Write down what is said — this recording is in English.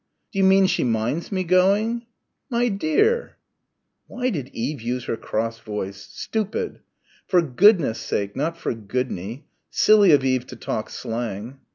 "D'you mean she minds me going?" "My dear!" Why did Eve use her cross voice? stupid ... "for goodness' sake," not "for goodney." Silly of Eve to talk slang....